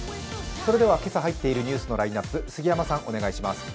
それでは、今朝入っているニュースのラインナップ、杉山さんお願いします。